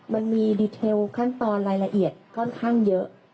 มันมีดีเทลขั้นตอนรายละเอียดค่อนข้างเยอะ